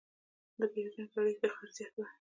د پیرودونکو اړیکې د خرڅ زیاتوي.